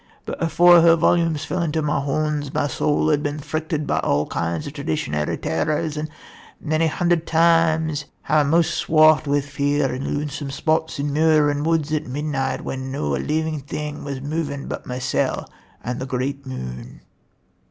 but afore her volumes fell into my hauns, my soul had been frichtened by a' kinds of traditionary terrors, and many hunder times hae I maist swarfed wi' fear in lonesome spots in muir and woods at midnight when no a leevin thing was movin but mysel' and the great moon."